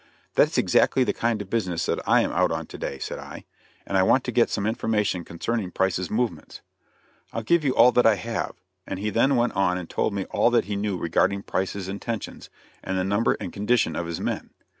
"That's exactly the kind of business that I am out on to day," said I; "and I want to get some information concerning Price's movements." "I'll give you all that I have;" and he then went on and told me all that he knew regarding Price's intentions, and the number and condition of his men.